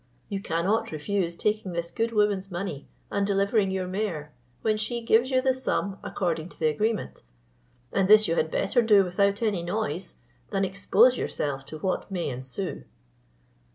You cannot refuse taking this good woman's money, and delivering your mare, when she gives you the sum according to the agreement; and this you had better do without any noise, than expose yourself to what may ensue."